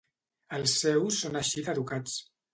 Els seus són així d’educats.